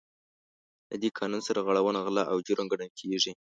له دې قانون سرغړونه غلا او جرم ګڼل کیږي.